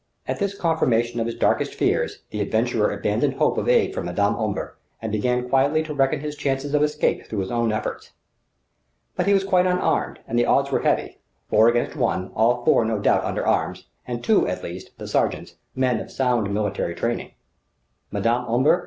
At this confirmation of his darkest fears, the adventurer abandoned hope of aid from Madame Omber and began quietly to reckon his chances of escape through his own efforts. But he was quite unarmed, and the odds were heavy: four against one, all four no doubt under arms, and two at least the sergents men of sound military training. "Madame Omber?"